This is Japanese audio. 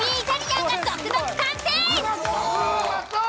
うまそう！